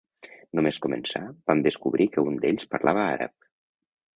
Només començar, vam descobrir que un d'ells parlava àrab.